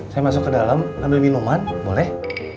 saya masuk ke dalam ambil minuman boleh